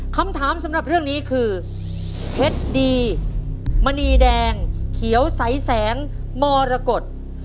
คำถามสำหรับเรื่องนี้คือเพชรดีมณีแดงเขียวใสแสงมรกฏ